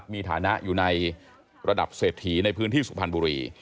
มีฐานะอยู่ในระดับเศรษฐีในพื้นที่สุพรรณบุรี